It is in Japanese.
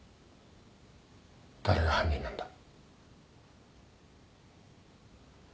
誰が犯人なんだ？